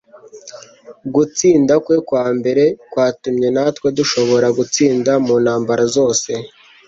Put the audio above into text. Gutsinda kwe kwa mbere kwatumye natwe dushobora gutsinda mu ntambara zose